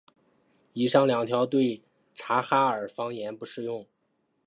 以上两条对察哈尔方言不适用。